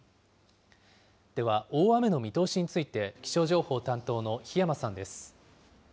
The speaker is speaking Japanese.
では、大雨の見通しについて、気象情報担当の檜山さんです。